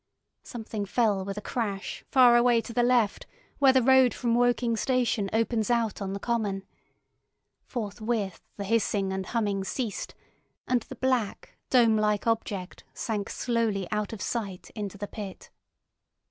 Something fell with a crash far away to the left where the road from Woking station opens out on the common. Forth with the hissing and humming ceased, and the black, dome like object sank slowly out of sight into the pit.